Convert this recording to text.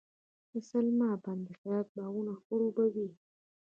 د سلما بند د هرات باغونه خړوبوي.